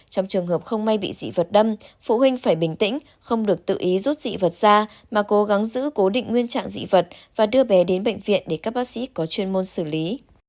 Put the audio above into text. trong trường hợp không may bị dị vật đâm phụ huynh phải bình tĩnh không được tự ý rút dị vật ra mà cố gắng giữ cố định nguyên trạng dị vật và đưa bé đến bệnh viện để các bác sĩ có chuyên môn xử lý